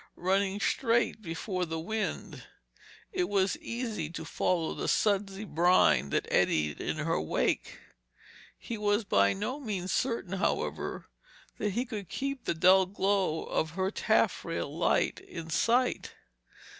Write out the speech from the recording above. Running straight before the wind, it was easy to follow the sudsy brine that eddied in her wake. He was by no means certain, however, that he could keep the dull glow of her taffrail light in sight.